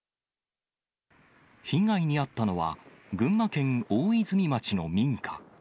被害に遭ったのは、群馬県大泉町の民家。